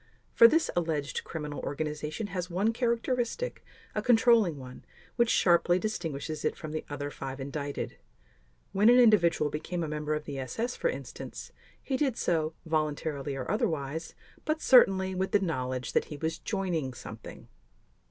For this alleged criminal organization has one characteristic, a controlling one, which sharply distinguishes it from the other five indicted. When an individual became a member of the SS for instance, he did so, voluntarily or otherwise, but certainly with the knowledge that he was joining something.